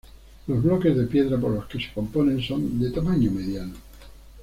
Los bloques de piedras por los que se componen son de tamaño mediano.